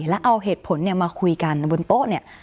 แล้วเอาเหตุผลมาคุยกันบนโต๊ะเนี่ย